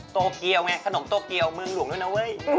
โตเกียวไงขนมโตเกียวเมืองหลวงด้วยนะเว้ย